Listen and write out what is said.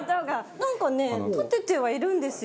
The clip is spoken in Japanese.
なんかね立ててはいるんですよ